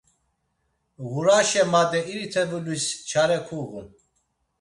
Ğuraşe made iritevulis çare kuğun.